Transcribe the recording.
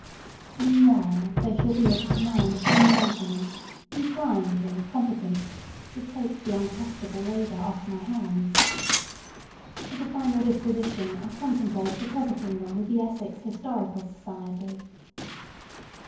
Meanwhile, they shall be at the command of any gentleman, inclined and competent, to take the unprofitable labour off my hands. As a final disposition I contemplate depositing them with the Essex Historical Society.